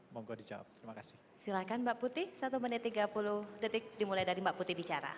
silahkan mbak putih satu menit tiga puluh detik dimulai dari mbak putih bicara